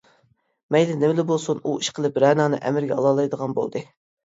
مەيلى نېمىلا بولسۇن، ئۇ ئىشقىلىپ رەنانى ئەمرىگە ئالالايدىغان بولدى.